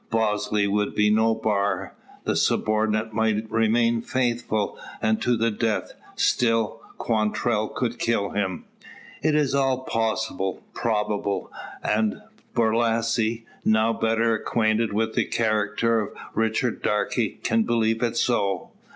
Bosley would be no bar. The subordinate might remain faithful, and to the death; still Quantrell could kill him. It is all possible, probable; and Borlasse, now better acquainted with the character of Richard Darke, can believe it so.